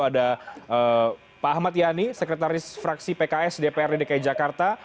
ada pak ahmad yani sekretaris fraksi pks dprd dki jakarta